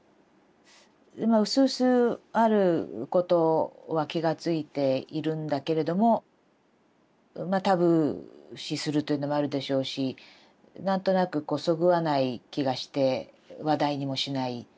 うすうすあることは気が付いているんだけれどもタブー視するというのもあるでしょうし何となくこうそぐわない気がして話題にもしない。